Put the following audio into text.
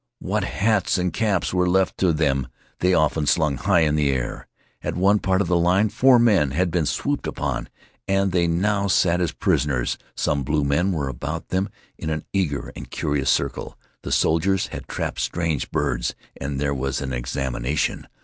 What hats and caps were left to them they often slung high in the air. At one part of the line four men had been swooped upon, and they now sat as prisoners. Some blue men were about them in an eager and curious circle. The soldiers had trapped strange birds, and there was an examination.